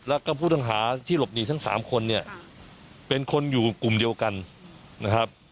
แล้วก็ผู้ต้องหาที่หลบหนีทั้งสามคนเนี่ยเป็นคนอยู่กลุ่มเดียวกันนะครับ